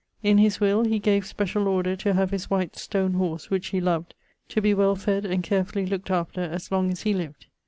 In his will he gave speciall order to have his white stone horse (which he loved) to be well fed and carefully looked after as long as he lived.